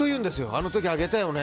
あの時、あげたよね？